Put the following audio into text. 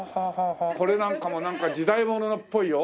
これなんかもなんか時代物のっぽいよ。